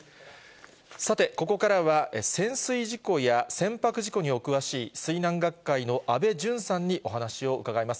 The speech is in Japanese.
さて、ここからは潜水事故や船舶事故にお詳しい、水難学会の安倍淳さんにお話を伺います。